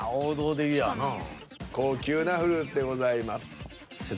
まあ「高級なフルーツ」でございます。